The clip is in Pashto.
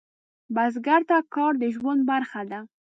بزګر ته کار د ژوند برخه ده